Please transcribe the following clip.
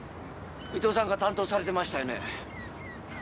伊藤さんが担当されてましたよね？